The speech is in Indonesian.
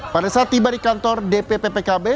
pada saat tiba di kantor dpp pkb